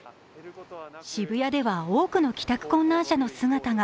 渋谷では多くの帰宅困難者の姿が。